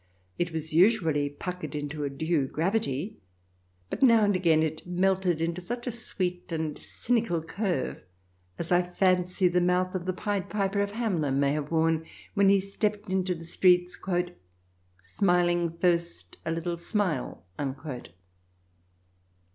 It was usually puckered into a due gravity, but now and again it melted into such a sweet and cynical curve as I fancy the mouth of the Pied Piper of Hamelin may have worn when he stepped into the streets, "smiling first a little smile."